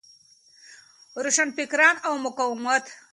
روشنفکران او مقاومت